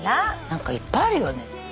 何かいっぱいあるよね。